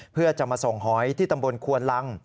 เพื่อจะมาส่งหอยที่ตำบลควนลัง